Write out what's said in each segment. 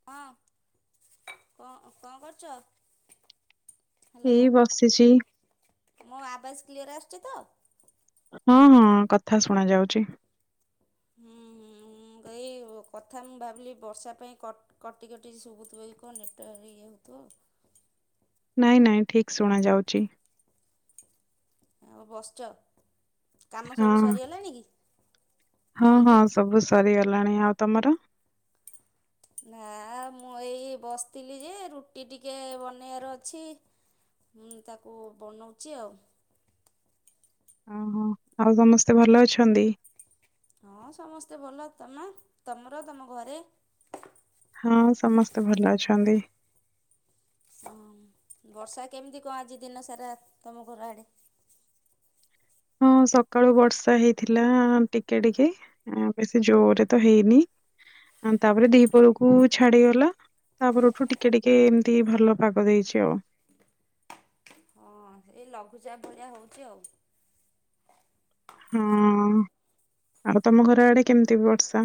ହଁ କଁ କଣ କରୁଚ? ହାଲୋ ଏଇ ବସିଛି ମୋ ଆବାଜ କ୍ଲିୟର ଆସୁଚି ତ? ହଁ ହଁ କଥା ଶୁଣା ଯାଉଚି। ହୁଁଁ ହୁଁ ମୁଁ କଇ କଥା ମୁଁ ଭାବିଲି ବର୍ଷା ପାଇଁ କ କଟି କଟି ଶୁଭୁଥିବ ଏଇ କ ନେଟ୍ୟ ଇଏ ହଉଥିବ। ନାଇଁ ନାଇଁ ଠିକ ଶୁଣା ଯାଉଚି। ଆଉ ବସିଚ, କାମ ହଁ ସବୁ ସରିଗଲାଣି କି? ନା ହଁ ହଁ ଏମିତି ସବୁ ସରିଗଲାଣି, ଆଉ ତମର? ନା ମୁଁ ଏଇ ବସିଥିଲି ଯେ ରୁଟି ଟିକେ ବନେଇଆର ଅଛି। ମୁଁ ତାକୁ ବନଉଚି ଆଉ। ଓହୋ ଆଉ ସମସ୍ତେ ଭଲ ଅଛନ୍ତି? ହଁ ସମସ୍ତେ ଭଲ ତମ ତମର ତମ ଘରେ? ହଁ ସମସ୍ତେ ଭଲ ଅଛନ୍ତି। ଅଁ ବର୍ଷା କେମିତି କ ଆଜି ଦିନ ସାରା ତମ ଘର ଆଡ଼େ? ହଁ ସକାଳୁ ବର୍ଷା ହେଇଥିଲା ଟିକେ ଟିକେ। ଆଁ ବେଶୀ ଜୋରେ ତ ହେଇନି ଆଁ ତାପରେ ଦିପହର କୁ ଛାଡ଼ିଗଲା ତାପରଠୁ ଟିକେ ଟିକେ ଏମିତି ଭଲ ପାଗ ଦେଇଚି ଆଉ। ହଁ ଏଇ ଲଘୁଚାପ ଭଳିଆ ହୋଉଚି ଆଉ। ହଁ ଆଉ ତମ ଘର ଆଡ଼େ କେମିତି ବର୍ଷା?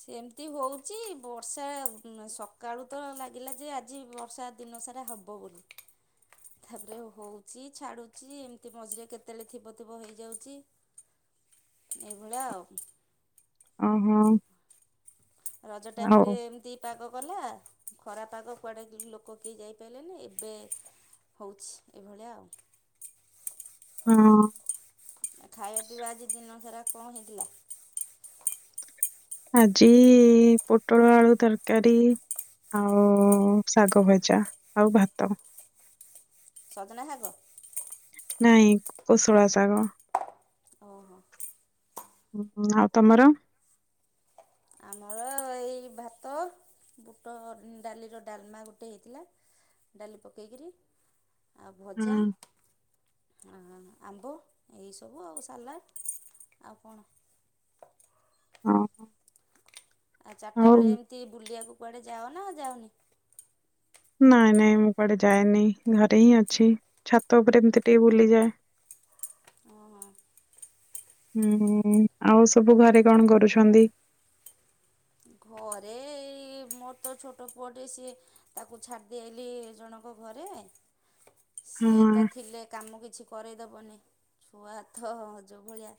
ସେମିତି ହୋଉଚି ବର୍ଷା ସକାଳୁ ତ ଲାଗିଲା ଯେ ଆଜି ବର୍ଷା ଦିନ ସାରା ହବ ବୋଲି। ଥାପରେ ହୋଉଚି ଛାଡ଼ୁଚି ଏମିତି ମଝିରେ କେତେବେଳେ ଥିବ ଥିବ ହେଇଯାଉଚି। ଏଇଭଳିଆ ଆଉ। ଅହ। ରଜ ଟାଇମ୍ ରେ ଏମିତି ପାଗ କଲା ଖରା ପାଗ କୁଆଡ଼େ କେହି ଲୋକ କେଇ ଯାଇ ପାଇଲେନି ଏବେ ହୋଉଚି ଏଇଭଳିଆ ଆଉ। ହଁ। ଆ ଖାଇବା ପିଇବା ଆଜି ଦିନ ସାରା କଣ ହେଇଥିଲା? ଆଜି ପୋଟଳ ଆଳୁ ତରକାରୀ ଆଉ ଶାଗ ଭଜା ଆଉ ଭାତ। ସଜନା ଶାଗ? ନାଇଁ କୋଶଳାଶାଗ। ଓହୋ। ଉଁ ହୁଁ ଆଉ ତମର? ଆମର ଏଇ ଭାତ ବୁଟ ଡ଼ାଲିର ଡାଲମା ଗୋଟେ ହେଇଥିଲା। ଡ଼ାଲି ପକେଇକିରି ଆଉ ଭଜା। ହୁଁ। ଆଁ ଆମ୍ବ ଏଇସବୁ ଆଉ ସାଲାଡ଼ ଆଉ କଣ। ଅଁ। ଆ ଚାରିଟା ବେଳେ ଏମିତି ବୁଲିବାକୁ କୁଆଡ଼େ ଯାଅନା ଯାଅନି? ନାଇଁ ନାଇଁ ମୁଁ କୁଆଡ଼େ ଯାଏନି ଘରେ ହିଁ ଅଛି ଛାତ ଓପରେ ଏମିତି ଟିକେ ବୁଲିଯାଏ। ଓହୋ। ଉଁ-ଉଁ, ଆଉ ସବୁ ଘରେ କଣ କରୁଛନ୍ତି? ଘରେ ଏଇ ମୋର ତ ଛୋଟ ପୁଅଟେ ସିଏ, ତାକୁ ଛାଡ଼ି ଦେଇଆଇଲି ଜଣଙ୍କ ଙ୍କ ଘରେ, ହଁ ସିଏ ତ ଥିଲେ କାମ କିଛି କରେଇ ଦେବନି। ଛୁଆ ତ ଯୋଉ ଭଳିଆ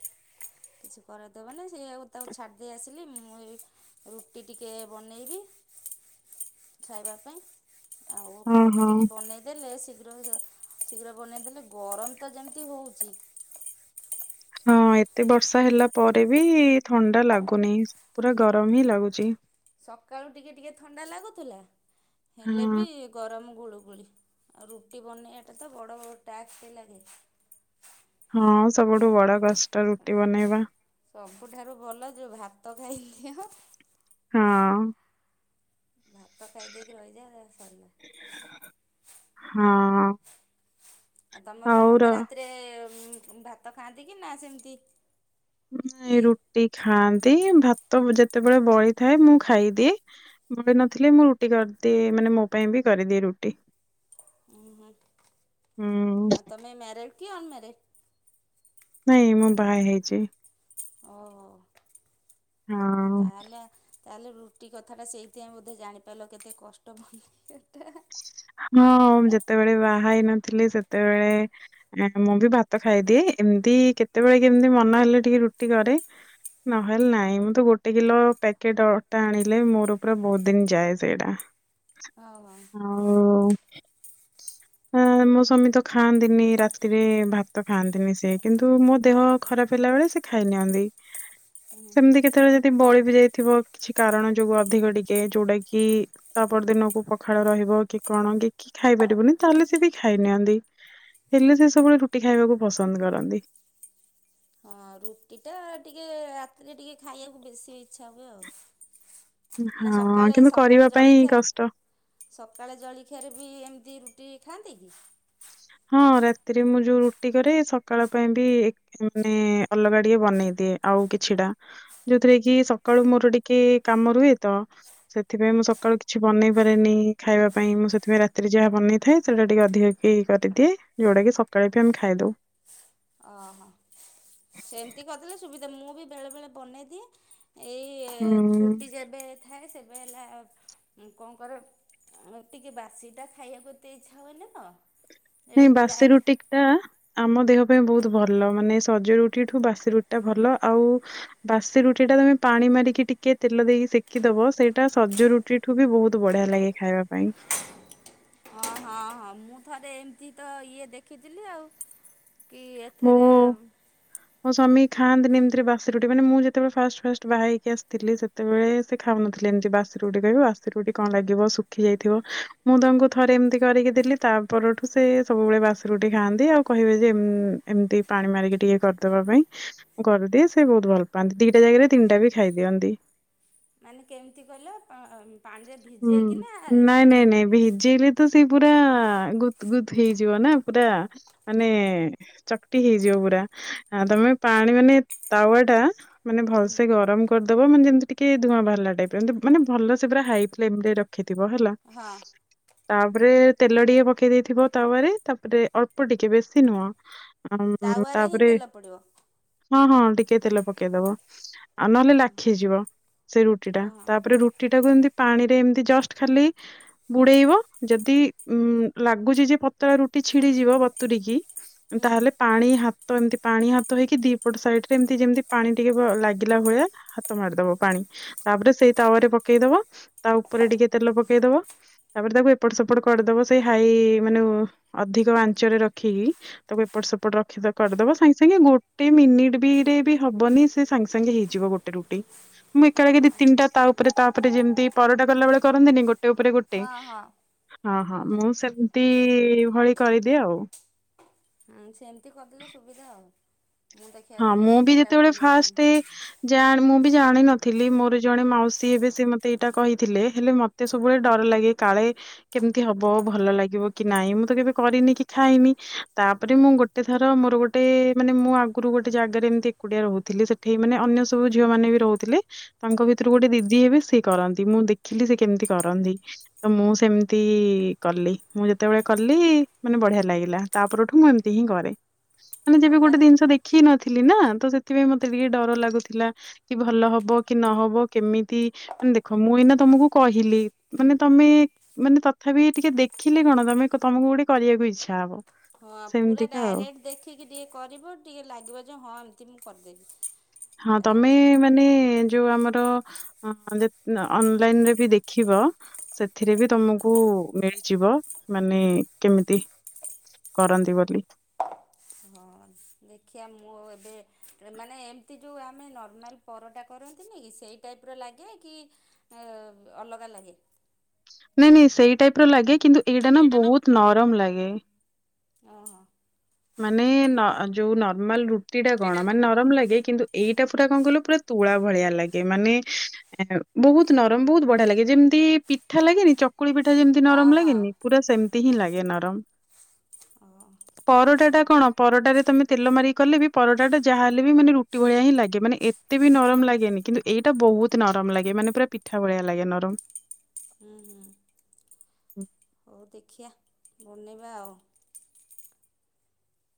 କିଛି କରେଇ ଦେବନି ସେଇଆକୁ ତାକୁ ଛାଡ଼ି ଦେଇ ଆସିଲି। ମୁଁ, ଏଇ ରୁଟି ଟିକେ ବନେଇବି ଖାଇବା ପାଇଁ। ଆଉ ହଁ ଖାଇବା ହଁ ଟିକେ ବନେଇ ଦେଲେ, ଶୀଘ୍ର ଶୀଘ୍ର ବନେଇଦେଲେ, ଗରମ ତ ଯେମିତି ହଉଚି ହଁ, ଏତେ ବର୍ଷା ହେଲା ପରେ ବି, ଥଣ୍ଡା ଲାଗୁନି ପୁରା ଗରମ ହିଁ ଲାଗୁଛି। ସକାଳୁ ଟିକେ ଟିକେ ଥଣ୍ଡା ଲାଗୁଥୁଲା, ହେଲେ ହଁ ବି ଗରମ ଗୁଳୁ ଗୁଳି, ଆଉ ରୁଟି ବନେଇବାଟା ତ ବଡ଼ ବ ଟାକ୍ସ ଲାଗେ। ହଁ, ସବୁଠୁ ବଡ଼ କଷ୍ଟ ରୁଟି ବନେଇବା। ସବୁଠାରୁ ଭଲ ଯୋଉ ଭାତ ଖାଇଦିଅ ହଁ। ଭାତ ଖାଇ ଦେଇକି ରହିଯାଆ ସରିଲା। ହଁ। ଆଉ ତମର ହଉର ସମସ୍ତେ ରାତିରେ-ଏ ଭାତ ଖାଆନ୍ତି କି ନା, ସେମିତି ଇଏ ରୁଟି ଖାଆନ୍ତି। ଭାତ ଯେତେବେଳେ ବଳିଥାଏ, ମୁଁ ଖାଇଦିଏ। ବଳି ନଥିଲେ, ମୁଁ ରୁଟି କରିଦିଏ ମାନେ, ମୋ ପାଇଁ ବି କରିଦିଏ ରୁଟି। ଅହଁ, ହୁଁ ଆଉ ତମେ ମ୍ୟାରେଡ଼୍ କି ଅନ୍ ମ୍ୟାରେ? ନାଇଁ, ମୁଁ ବାହା ହେଇଛି। ଓହୋଃ, ଆଉ ହଁ ତା ହେଲେ ତାହେଲେ, ରୁଟି କଥା ଟା ସେଇଥିପାଇଁ ବୋଧେ ଜାଣିପାରିଲ! କେତେ କଷ୍ଟ ବନେଇବା ଟା? ହଁ, ମୁଁ ଯେତେବେଳେ ବାହା ହେଇ ନଥିଲି, ସେତେବେଳେ ମୁଁ ବି ଭାତ ଖାଇଦିଏ, ଏମିତି କେତେବେଳେ କେମିତି ମନ ହେଲେ, ଟିକେ ରୁଟି କରେ। ନହେଲେ ନାହିଁ। ମୁଁ ତ ଗୋଟେ କିଲୋ ପ୍ୟାକେଟ୍ ଅଟା ଆଣିଲେ, ମୋର ପୁରା ବହୁତ ଦିନ ଯାଏ ସେଇଟା। ହଉ ଆଉ। ଆଉ ହଁ ମୋ ସ୍ବାମୀ ତ ଖାଆନ୍ତିନି, ରାତିରେ ଭାତ ଖାଆନ୍ତିନି ସେ। କିନ୍ତୁ ମୋ ଦେହ ଖରାପ ହେଲା ବଳେ, ସେ ଖାଇ ନିଅନ୍ତି। [inaudible] ସେମିତି କେତେବେଳେ ଯଦି ବଳି ବି ଯାଇଥିବ, କିଛି କାରଣ ଯୋଗୁ ଅଧିକ ଟିକେ, ଯୋଉଟା କି ତାପର ଦିନକୁ ପଖାଳ ରହିବ, କି କଣ କିଏ ଖାଇ ପାରିବନି? ତା, ହେଲେ ସିଏ ବି ଖାଇ ନିିଅନ୍ତି। ହେଲେ, ସିଏ ସବୁବେଳେ ରୁଟି ଖାଇବାକୁ ପସନ୍ଦ କରନ୍ତି। ରୁଟି ଟା ଟିକେ ରାତିରେ ଟିକେ ଖାଇଆକୁ ବେଶୀ ଇଚ୍ଛା ହୁଏ ଆଉ। ନା, ହଁ ସକାଳେ କିନ୍ତୁ ସକାଳେ କରିବା ପାଇଁ ଜଳଖିଆ ର୍ କଷ୍ଟ। ସକାଳେ ଜଳଖିଆରେ ବି ଏମିତି ରୁଟି ଖାଆନ୍ତି କି? ହଁ, ରାତିରେ ମୁଁ ଯୋଉ ରୁଟି କରେ, ସକାଳ ପାଇଁ ବି ମାନେ ଅଲଗା ଟିକେ ବନେଇଦିଏ, ଆଉ କିଛି ଟା। ଯେଉଁଥିରେ କି ସକାଳୁ ମୋର ଟିକେ କାମ ରୁହେ ତ! ସେଥିପାଇଁ ମୁଁ ସକାଳୁ କିଛି ବନେଇ ପାରେନି ଖାଇବା ପାଇଁ। ମୁଁ ସେଥିପାଇଁ ରାତିରେ ଯାହା ବନେଇ ଥାଏ, ସେଇଟା ଟିକେ ଅଧିକ କି କି କରିଦିଏ। ଯୋଉଟା କିି ସକାଳେ ବି ଆମେ ଖାଇଦଉ। ଅହ। ସେମିତି କରିଦେଲେ ସୁବିଧା ମୁଁ, ବି ବେଳେ ବେଳେ ବନେଇଦିଏ। ଏଇ ଛୁ ଉଁ ଟି ଯେବେ ଥାଏ, ସେବେ ହେଲା କଣ କରେ? ଟିକେ ବାସି ଟା, ଖାଇଆକୁ ଏତେ ଇଚ୍ଛା ହୁଏନି ତ! ଏ ନାଇଁ ଗୁଳା ବାସି ରୁୁଟିି ଟା ଆମ ଦେହ ପାଇଁ ବହୁତ ଭଲ ମାନେ ସଜ ରୁଟିଠୁ ବାସି ରୁଟିଟା ଭଲ ଆଉ ବାସି ରୁଟିଟା ତମେ ପାଣି ମାରିକି ଟିକେ ତେଲ ଦେଇକି ସେକିଦବ ସେଇଟା ସଜ ରୁ ଟିଠୁ ବି ବହୁତ ବଢ଼ିଆ ଲାଗେ ଖାଇବା ପାଇଁ। ହଁ ହଁ ହଁ ମୁଁ ଥରେ ଏମତି ତ ଇଏ ଦେଖିଥିଲି ଆଉ। କି ଏଥେରେ ମୋ ମୋ ସମୀ ଖାଆନ୍ତିନେଇ ଏମିତିରେ ବାସି ରୁଟି ମାନେ ମୁଁ ଯେତବେଳେ ଫାଷ୍ଟ ଫାଷ୍ଟ ବାହା ହେଇକି ଆସିଥିଲି ସେତେବେଳେ ତେ ଖାଉନଥିଲେ ଏମତି ବାସି ରଟି କହିବ ବାସି ରୁଟି କଁ ଲାଗିବ ଶୁଖି ଯାଇଥିବ ମୁଁ ତାଙ୍କୁ ଥରେ ଏମତି କରିକି ଦେଲି। ତା ପରଠୁ ସେ ସବୁବେଳେ ବାସି ରୁଟି ଖାଆନ୍ତି ଆଉ କହିବେ ଯେ ଏମ୍ ଏମତି ପାଣି ମାରିକି ଟିକେ କରିଦବା ପାଇଁ। ମୁଁ କରିଦିଏ ସେ ବହୁତ ଭଲ ପାଆନ୍ତି ଦିଟା ଜାଗାରେ ତିନିଟା ବି ଖାଇ ଦିଅନ୍ତି। ମାନେ କେମତି କିହିଲ ପଅ ପାଣିରେ ହୁଁ ଭିଜେଇକିନା ନାଇଁ ସେ ନାଇଁ ନାଇଁ ଭିଜେଇଲେ ତ ସେଇ ପୁରା ଗୁଦ୍ ଗୁଦ୍ ହେଇଯିବ ନାଁ ପୁରା ମାନେ ଚକଟି ହେଇଯିବ ପୁରା ଆ ତମେ ପାଣି ମାନେ ତାୱାଟା ମାନେ ହୁଁ ଭଲସେ ଗରମ କରିଦବ ମାନେ ଯେମତି ଟିକେ ଧୂଆଁ ବାହାରିଲା ଟାଇପ୍ ର ଏମତି ମାନେ ଭଲସେ ପୁରା ହାଇ ଫ୍ଲେମ୍ ରେ ରଖିଥିବ ହେଲା। ହଁ ତାପରେ ତେଲ ଟିକେ ପକେଇ ଦେଇଥିବ ତାୱାରେ ତାପରେ ଅଳ୍ପ ଟିକେ ବେଶୀ ନୁହଁ। ଅମ୍ ତାୱାରେ ହିଁ ତାପରେ ତେଲ ପଡ଼ିବ ହଁ ହଁ ଟିକେ ତେଲ ପକେଇଦବ ଆଉ ନହେଲେ ଲାଖିଯିବ। ସେ ରୁଟିଟା ଓହୋ ତାପରେ ରୁଟିଟାକୁ ଏମତି ପାଣିରେ ଏମତି ଜଷ୍ଟ ଖାଲି ବୁଡ଼େଇବ ଯଦି ଉଁ ଲାଗୁଚି ଯେ ପତଳା ରୁଟି ଛିଡି଼ଯିବ ବତୁରିକି‌ ହୁଁ ତାହେଲେ ପାଣି ହାତ ଏମତି ପାଣି ହାତ ହେଇକି ଦିପଟ ସାଇଟ୍ ରେ ଏମତି ଯେମିତି ପାଣି ଟିକେ ବ ଲାଗିଲା ଭଳିଆ ହାତ ମାରିଦବ ପାଣି ତାପରେ ସେଇ ତାୱାରେ ପକେଇ ଦବ ତା ଉପରେ ଟିକେ ତେଲ ପକେଇ ଦବ। ତାପରେ ତାକୁ ଏପଟ ସେପଟ କରିଦବ ସେଇ ହାଇ ମାନେ ଅଧିକ ଆଞ୍ଚରେ ରଖିକି। ତାକୁ ଏପଟ ସେପଟ ରଖିଦ କରିଦବ ସାଙ୍ଗେ ସାଙ୍ଗେ ଗୋଟେ ମିନିଟ୍ ବି ରେ ବି ହବନି ସେ ସାଙ୍ଗେ ସାଙ୍ଗେ ହେଇଯିବ ଗୋ ଟେ ରୁଟି ମୁଁ ଏକା ଏଳେକେ ଦି ଓହୋ ତିନିଟା ତା ଉପରେ ତାପରେ ଯେମିତି ପରଟା କଲା ବେଳେ କରନ୍ତିନି ଗୋଟେ ଉପରେ ଗୋଟେ। ହଁ ହଁ ହଁ ହଁ ମୁଁ ସେମତି ଭଳି କରିଦିଏ ଆଉ। ଅଁ ସେମତି କରିଦେଲେ ସୁବିଧା ଆଉ। ମୁଁ ଦେଖିବା ହଁ ଏଥିରେ ମୁଁ ଦି ବି ଚାରିଟା ଯେତେବେଳେ ବନେଇବି ଫାଷ୍ଟେ ଜାଣ୍ ମୁଁ ବି ଜାଣିନଥିଲି ମୋର ଜଣେ ମାଉସୀ ଏବେ ସେ ମତେ ଏଇଟା କହିଥିଲେ ହେଲେ ମ ତେ ସବୁବେଳେ ଡର ଲାଗେ କାଳେ କେମତି ହବ ଭଲ ଲାଗିବ କି ନାଇଁ ମୁଁ ତ କେବେ କରିନି କି ଖାଇନି ତାପରେ ମୁଁ ଗୋ ଟେ ଥର ମୋର ଗୋଟେ ମାନେ ମୁଁ ଆ କୁରୁ ଗୋଟେ ଜାଗାରେ ଏମତି ଏକୁଟିଆ ରହୁଥିଲି ସେଠି ମାନେ ଅନ୍ୟ ସବୁ ଝିଅମାନେ ବି ରହୁଥିଲେ। ତାଙ୍କ ଭିତୁରୁ ଗୋଟେ ଦିଦି ହେବେ ସିଏ କରନ୍ତି ମୁଁ ଦେଖିଲି ସେ କେମିତି କରନ୍ତି। ତ ମୁଁ ସେମତି କଲି ମୁଁ ଯେତେବେଳେ କଲି ମାନେ ବଢ଼ିଆ ଲାଗିଲା। ତା ପରଠୁ ମୁଁ ଏମତି ହିଁ କରେ ଆନେ ଆଉ ଯେବେ ଗୋଟେ ମାନେ ଦିନିଷ ଦେ ଖି ନଥିଲି ନାଁ ତ ସେଥିପାଇଁ ମତେ ଟିକେ ଡର ଲାଗୁଥିଲା। କି ଭଲ ହବ କି ନହବ କେମିତି ଆନ୍ ଦେଖ ମୁଁ ଏଇନା ତମୁକୁ କହିଲି ମାନେ ତମେ ମାନେ ତଥାପି ଟିକେ ଦେଖିଲେ କଣ ତମେ ତମୁକୁ ଗୋଟେ କରିବାକୁ ଇଚ୍ଛା ହବ। ଖ ପୁରା ସେମିତିକା ଆଉ ଡାଇରେକ୍ଟ୍ ଦେଖିକି ଟିକେ କରିବ ଟିକେ ଲାଗିବ ଯେ ହଁ ଏମତି ମୁଁ କରିଦେବି। ହଁ ଆଉ ତମେ ଏମ୍ ମାନେ ଯୋଉ ଆମର ଅ ଯେତ ଅନଲାଇନରେ ବି ଦେଖିବ ସେଥିରେ ବି ତମକୁ ମିଳିଯିବ ମାନେ କେମିତି କରନ୍ତି ବଲି। ହଁ। ଦେଖିଆ ମୁଁ ଏବେ ମାନେ ଏମତି ଯୋଉ ଆମେ ନର୍ମାଲ ପରଟା କରନ୍ତିନିକି ସେଇ ଟାଇପ୍ର ଲାଗେ କି ଅବ ଅଲଗା ଲାଗେ। ନାଇଁ ନାଇଁ ସେଇ ଟାଇପ ର ଲାଗେ କିନ୍ତୁ ଏଇଟା ନା ବହୁତ ନରମ ଲାଗେ। ଓହୋ ମାନେ ନ ଯୋଉ ନର୍ମାଲ ରୁଟି ଟା କଣ ଦିଟା କ ମାନେ ନରମ ଲାଗେ କିନ୍ତୁ ଏଇଟା ଫୁଟା କଣ କହିଲୁ ପୁରା ତୁଳା ଭଳିଆ ଲାଗେ ମାନେ ଏଉ ବହୁତ ନରମ ବହୁତ ବଢିଆ ଲାଗେ ଯେମିତି ପିଠା ଲାଗେନି ଚ କୁକୁଳି ପିଠା ଯେମିତି ହଁ ନରମ ହଁ ଲାଗେନି ପୁରା ସେମିତି ହିଁ ଲାଗେ ନରମ। ଅ। ପରଟା ଟା କଣ ପରଟାରେ ତମେ ତେଲ ମାରିକିକଲେ ବି ପରଟା ଟା ଯାହା ହେଲେ ବି ମାନେ ରୁଟି ଭଳିଆ ହିଁ ଲାଗେ ମାନେ ଏ ତେ ବି ନରମ ଲାଗେନି କିନ୍ତୁ ଏଇଟା ବହୁତ ନରମ ଲାଗେ ମାନେ ପୁରା ପିଠା ଭଳିଆ ଲାଗେ ନରମ। ହୁଁ ହୁଁ ହଉ ଦେଖିଆ ବନେଇବା ଆଉ।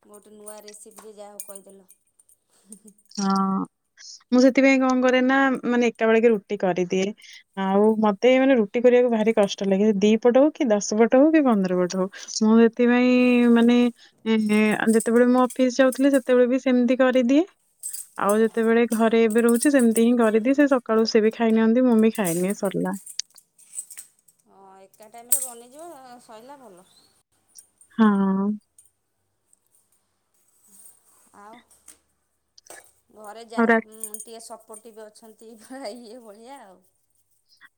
ଗୋଟେ ନୂଆ ରେସିପିରେ ଯାହା ହଉ କହିଦେଲ ହୁଁ ହୁଁ। ହଁ ମୁଁ ସେଥିପାଇଁ କଣ କରେ ନା ମ ମାନେ ଏକା ବେଳେକେ ରୁଟି କରିଦିଏ। ଆଉ ମତେ ମାନେ ରୁଟି କରିବାକୁ ଭାରି କଷ୍ଟ ଲାଗେ ସେ ଦି ପଟ ହଉ କି ଦଶ ପଟ ହଉ କି ପନ୍ଦର ପଟ ହଉ। ମୁଁ ସେଥିପାଇଁ ମାନେ ଇଁ ଯେତେବେଳେ ମୁଁ ଅଫିସ ଯାଉଥିଲି ସେତେବେଳେ ବି ସେମିତି କରିଦିଏ। ଆଉ ହୁଁ। ଯେତେବେଳେ ଘରେ ଏବେ ରହୁଛି ସେମିତି ହିଁ କରିଦିଏ ସେ ସକାଳୁ ସେ ବି ଖାଇ ନିଅନ୍ତି ମୁଁ ବି ଖାଇନିଏ ସରିଲା। ହଁ ଏକା ଟାଇମରେ ବନିଯିବ ସଇଲା ଭଲ। ହଁ। ଆଉ ଘରେ ଆଉ ଯାହା ରା ହଉ ଉଁ ଟିକେ ସପ ଟିବ ଅଛନ୍ତି ପୁରା ଇଏ ଭଳିଆ ଆଉ।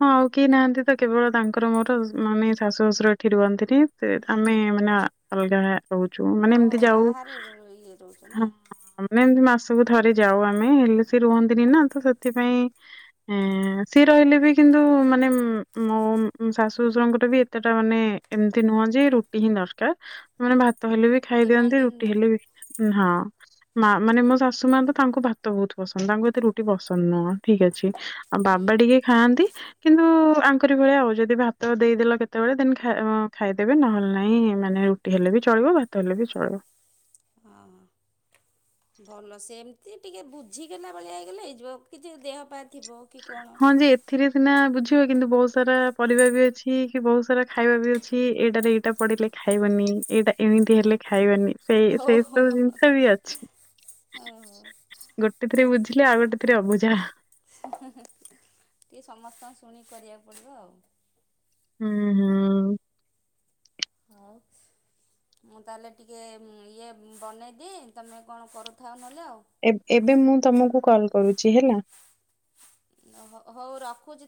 ହଁ ଆଉ କେହି ନାହାଁନ୍ତି ତ କେବଳ ତାଙ୍କର ମୋର ମାନେ ଶାଶୁ ଶଶୁର ଏଠି ରୁହନ୍ତିନି। ସେଇତ ଆମେ ମାନେ ଅ ଅଲଗା ରହୁଛୁ ମାନେ ଓହୋ ଏମିତି ଯାଉ ବାହାରେ ଇଏ ରହୁଛ ନା ହଁ ମ ନା ଏମତି ମାସକୁ ଥରେ ଯାଉ ଆମେ ହେଲେ ସେ ରୁହନ୍ତିନି ନା ତ ସେଥିପାଇଁ ଏଁ ସିଏ ରହିଲେ ବି କିନ୍ତୁ ମାନେ ଉଁ ମୋ ଉଁ ଶାଶୁ ଶ୍ୱଶୁରଙ୍କର ବି ଏତେଟା ମାନେ ଏମିତି ନୁହଁ ଯେ ରୁଟି ହିଁ ଦର କାର ମାନେ ଭାତ ହେଲେ ବି ଖାଇଦିଅନ୍ତି ଡିମାଣ୍ଡିଙ୍ଗ ରୁଟି ନୁହଁ। ହେଲେ ବି ଉଁ ହଁ। ମା ମାନେ ମୋ ଶାଶୁ ମା ତ ତାଙ୍କୁ ଭାତ ବହୁତ ପସନ୍ଦ ତାଙ୍କୁ ଏତେ ରୁଟି ପସନ୍ଦ ନୁହଁ ଠିକ୍ ଅଛି। ଆଉ ବାବା ଟିକେ ଖାଆନ୍ତି କିନ୍ତୁ କୁ ଆଙ୍କରି ଭଳିଆ ଆଉ ଯଦି ଭାତ ଦେଇଦେଲ କେତେବେଳେ ଦେନ ଖା ଖାଇଦେବେ ନହେଲେ ନାହିଁ ମାନେ ରୁ ଟି ହେଲେ ବି ଚଳିବ ଭାତ ହେଲେ ବି ଚଳିବ। ହଁ ହଁ। ଭଲ ସେମିତି ଟିକେ ବୁଝିଗଲା ଭଳିଆ ହେଇଗଲେ ହେଇଯିବ କିଛି ଦେହ ପା ଥିବ କି କଣ ହଁ ଯେ ଥିରେ ସିନା ବୁଝିବ କିନ୍ତୁ ବହୁତ ସାରା ପରିବା ବି ଅଛି କି ବହୁତ ସାରା ଖାଇବା ବି ଅଛି ଏଇଟାରେ ଏଇଟା ପ ପଡିଲେ ଖାଇବନି ଏଇଟା ଏମିତି ହେଲେ ଖାଇବନି। ସେଇ ସେଇ ଓହୋ ସବୁ ଜିନିଷ ବି ଅଛି ଓହୋ। ଗୋଟେ ଥିରେ ବୁଝିଲେ ଆଉ ଗୋଟେ ଥିରେ ଅବୁଝା। ହୁଁ ହୁଁ ଟିକେ ସମସ୍ତଙ୍କୁ ଶୁଣିକି କରିବାକୁ ପଡ଼ିବ ଆଉ। ହୁଁ ହୁଁ। ଆଛୁ ମୁଁ ତାହେଲେ ଟିକେ ଇଏ ବନେଇଦିଏ ତମେ କଣ କରୁଥାଅ ନହେଲେ ଆଉ। ଏ ଏବେ ମୁଁ ତମକୁ କଲ୍ କରୁଛି ହେଲା। ହ ହଉ ରଖୁଛି ତା